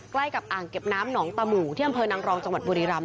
ใกล้กับอ่างเก็บน้ำหนองตะหมู่ที่อำเภอนางรองจังหวัดบุรีรำ